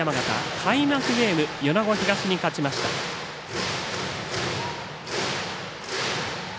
開幕ゲーム米子東に勝ちました。